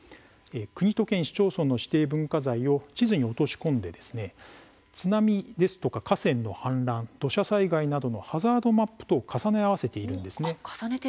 国と県、市町村の指定文化財を地図に落とし込んで津波や河川の氾濫土砂災害などのハザードマップと重ね合わせているんです。